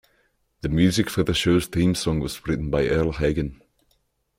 The music for the show's theme song was written by Earle Hagen.